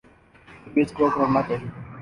حفیظ کو کرونا کی